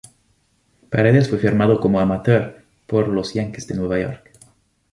Paredes fue firmado como amateur por los Yanquis de Nueva York.